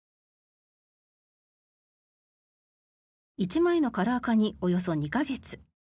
１枚のカラー化におよそ２か月。